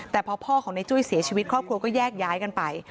แต่พอพ่อของในจุ้ยเสียชีวิตครอบครัวก็แยกย้ายกันไป